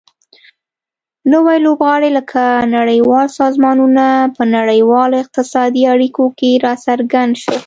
نوي لوبغاړي لکه نړیوال سازمانونه په نړیوالو اقتصادي اړیکو کې راڅرګند شول